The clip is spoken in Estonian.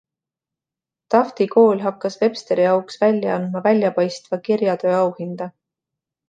Tafti kool hakkas Websteri auks välja andma väljapaistva kirjatöö auhinda.